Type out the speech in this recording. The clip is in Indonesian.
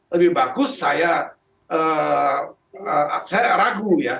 lebih bagus saya ragu ya